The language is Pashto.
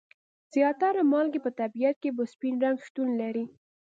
زیاتره مالګې په طبیعت کې په سپین رنګ شتون لري.